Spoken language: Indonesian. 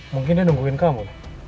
mungkin dia nungguin kamu